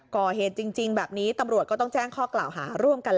ก่อเหตุจริงแบบนี้ตำรวจก็ต้องแจ้งข้อกล่าวหาร่วมกัน